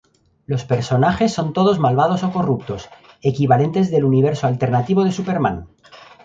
Los personajes son todos malvados o corruptos equivalentes del universo alternativo de Superman.